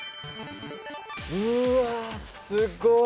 うわすごい！